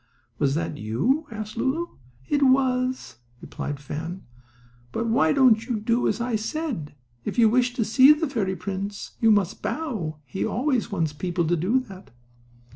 "Was that you?" asked Lulu. "It was," replied Fan. "But why don't you do as I said? If you wish to see the fairy prince you must bow. He always wants people to do that."